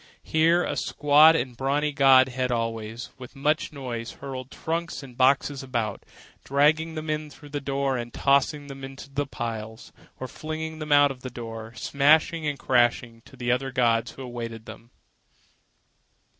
Here a squat and brawny god held sway, with much noise, hurling trunks and boxes about, dragging them in through the door and tossing them into the piles, or flinging them out of the door, smashing and crashing, to other gods who awaited them.